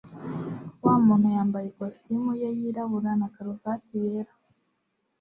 Wa muntu yambaye ikositimu ye yirabura na karuvati yera.